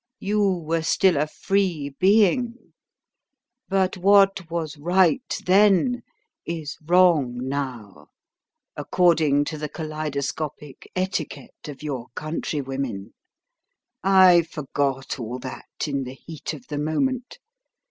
You were still a free being. But what was right then is wrong now, according to the kaleidoscopic etiquette of your countrywomen. I forgot all that in the heat of the moment.